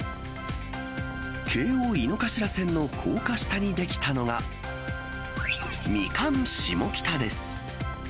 京王井の頭線の高架下に出来たのが、ミカン下北です。